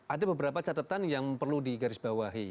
ada beberapa catatan yang perlu digarisbawahi